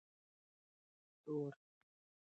د تورې او قلم خاوندان یو.